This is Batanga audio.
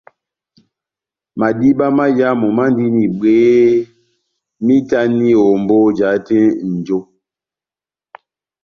Madiba máyamu mandini bwehé, mahitani ombó jahate nʼnjo.